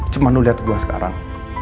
cuma lo lihat gue sekarang